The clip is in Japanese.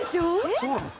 そうなんですか？